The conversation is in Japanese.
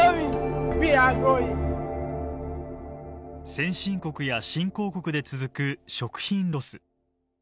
先進国や新興国で続く食品ロス。